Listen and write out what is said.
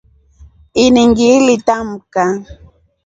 Ini ngilitamka.